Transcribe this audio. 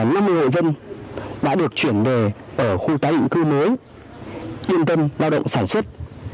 năm mươi hộ dân đã được chuyển về ở khu tái định cư mới yên tâm lao động sản xuất